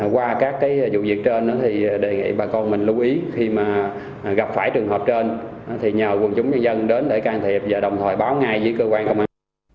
qua các vụ việc trên đề nghị bà con mình lưu ý khi gặp phải trường hợp trên nhờ quân chúng nhân dân đến để can thiệp và đồng thời báo ngay với cơ quan công an